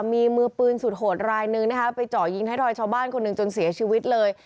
มีมือปืนสุดโหดรายหนึ่งนะคะไปเจาะยิงท้ายทอยชาวบ้านคนหนึ่งจนเสียชีวิตเลย